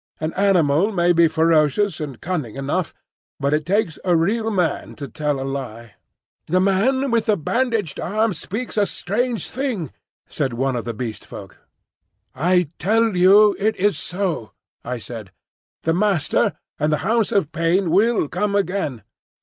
An animal may be ferocious and cunning enough, but it takes a real man to tell a lie. "The Man with the Bandaged Arm speaks a strange thing," said one of the Beast Folk. "I tell you it is so," I said. "The Master and the House of Pain will come again.